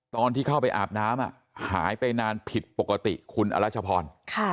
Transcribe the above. ตอนที่เข้าไปอาบน้ำหายไปนานผิดปกติคุณอรัชพร